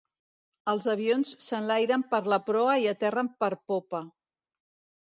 Els avions s'enlairen per la proa i aterren per popa.